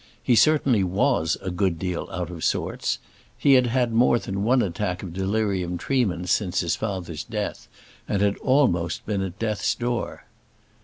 He certainly was a good deal out of sorts. He had had more than one attack of delirium tremens since his father's death, and had almost been at death's door.